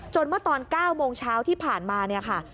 จนเมื่อตอน๙โมงเช้าที่ผ่านมา